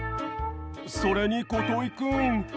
それにこといくん！